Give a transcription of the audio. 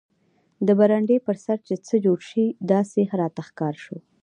د برنډې پر سر چې څه جوړ شي داسې راته ښکاره شو.